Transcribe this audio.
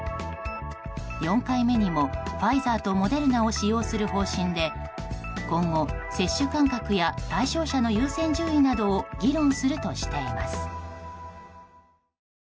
４回目にもファイザーとモデルナを使用する方針で今後、接種間隔や対象者の優先順位などを議論するとしています。